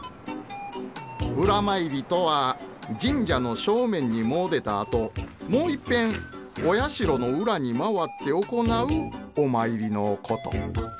裏詣りとは神社の正面に詣でたあともういっぺんお社の裏に回って行うお参りのこと。